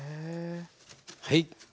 はい。